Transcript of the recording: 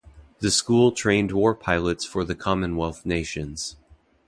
The school trained war pilots for the Commonwealth nations.